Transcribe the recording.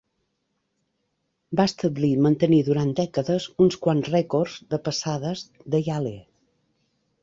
Va establir i mantenir durant dècades uns quants rècords de passades de Yale.